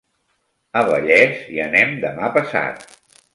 A Vallés hi anem demà passat.